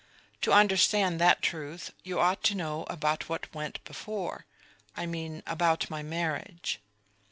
To understand that truth you ought to know about what went before; I mean about my marriage.